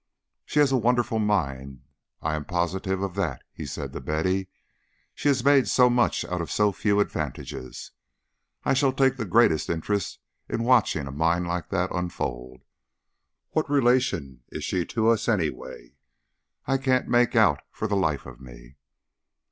"She has a wonderful mind, I am positive of that," he said to Betty. "She has made so much out of so few advantages. I shall take the greatest interest in watching a mind like that unfold. What relation is she to us, anyway? I can't make out, for the life of me.